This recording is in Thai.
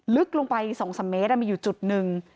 ลึกลงไป๒๓เมตรมีอยู่จุดหนึ่ง